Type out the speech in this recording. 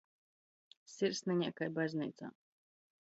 Sirsneņā kai bazneicā.